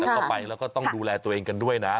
แล้วก็ไปแล้วก็ต้องดูแลตัวเองกันด้วยนะ